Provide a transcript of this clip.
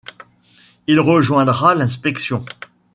Il rejoindra l'Inspection.